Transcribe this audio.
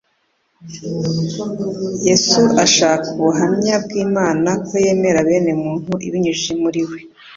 Yesu ashaka ubuhamva bw'Imana ko yemera bene muntu ibinyujije muri we.